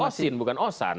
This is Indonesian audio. osin bukan osan